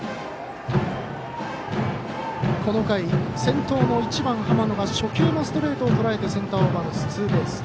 この回、先頭の１番、浜野初球のストレートをとらえてセンターオーバーのツーベース。